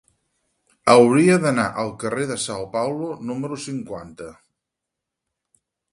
Hauria d'anar al carrer de São Paulo número cinquanta.